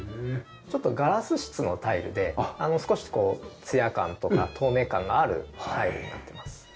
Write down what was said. ちょっとガラス質のタイルで少しツヤ感とか透明感のあるタイルになってます。